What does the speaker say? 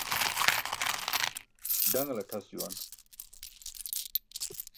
Ḍaṅltʰas juwan